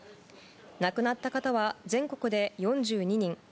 亡くなった方は全国で４２人。